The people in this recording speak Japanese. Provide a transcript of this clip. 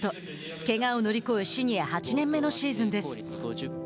けがを乗り越えシニア８年目のシーズンです。